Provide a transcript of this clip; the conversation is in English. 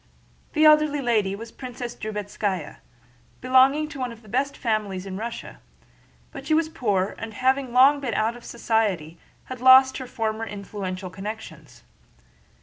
The elderly lady was a Princess Drubetskáya, belonging to one of the best families in Russia, but she was poor, and having long been out of society had lost her former influential connections.